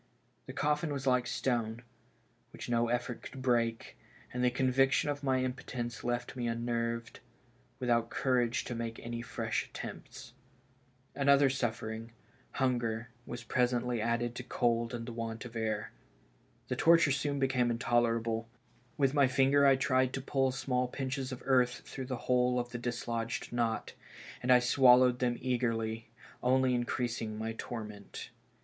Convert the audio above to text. The coffin was like stone, which no effort could break, and the conviction of my impotence left me unnerved, without courage to make any fresh attempts. Another suffering — hunger — was 270 BURIED ALIVE. presently added to cold and want of air. The torture soon became intolerable. With my finger I tried to pull small pinches of earth through the whole of the dislodged knot, and I swallowed them eagerly, only in creasing my torment.